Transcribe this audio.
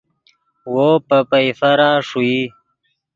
وو پے پئیفرا ݰوئی